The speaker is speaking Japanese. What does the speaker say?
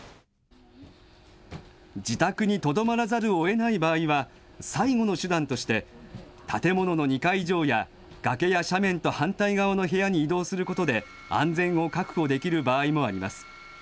自宅にとどまらざるをえない場合は、最後の手段として、建物の２階以上や、崖や斜面と反対側の部屋に移動することで、安全を確保できる場合もあります。